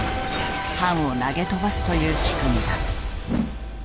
パンを投げ跳ばすという仕組みだ。